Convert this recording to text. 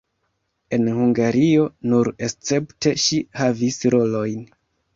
En Hungario nur escepte ŝi havis rolojn.